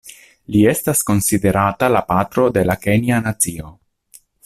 Li estas konsiderata la patro de la kenja nacio.